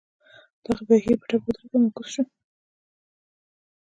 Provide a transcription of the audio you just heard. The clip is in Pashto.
دغه بهیر په ټپه ودرېد او معکوس شو.